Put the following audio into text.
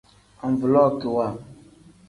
Anvilookiwa.